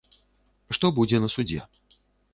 Што будзе на судзе.